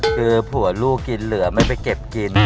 คือผัวลูกกินเหลือไม่ไปเก็บกิน